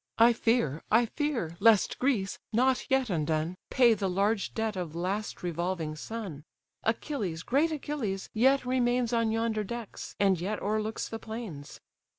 I fear, I fear, lest Greece, not yet undone, Pay the large debt of last revolving sun; Achilles, great Achilles, yet remains On yonder decks, and yet o'erlooks the plains!"